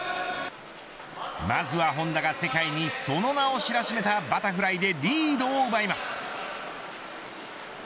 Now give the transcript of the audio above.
まずは本多が世界にその名を知らしめたバタフライでリードを奪います。